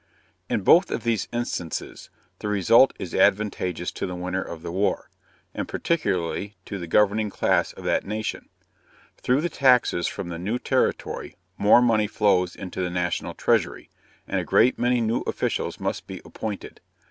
In both of these instances the result is advantageous to the winner of the war, and particularly to the governing class of that nation. Through the taxes from the new territory more money flows into the national treasury, and a great many new officials must be appointed.